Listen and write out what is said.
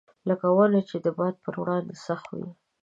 لکه ونه چې د باد پر وړاندې سخت وي.